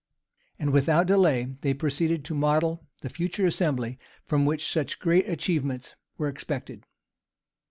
And without delay they proceeded to model the future assembly, from which such great achievments were expected.